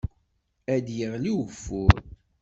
Ad yeɣli ugeffur